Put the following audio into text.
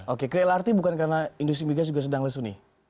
oke ke lrt bukan karena industri migas juga sedang lesu nih